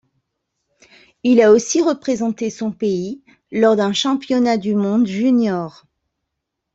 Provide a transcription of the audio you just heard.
Il a aussi représenté son pays lors d'un Championnat du monde junior.